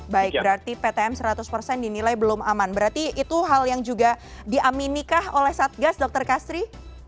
baik berarti ptm seratus persen dinilai belum aman berarti itu hal yang juga diaminikah oleh satgas dr kastri